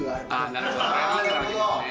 なるほど。